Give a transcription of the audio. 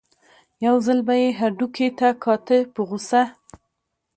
یو ځل به یې هډوکي ته کاته په غوسه.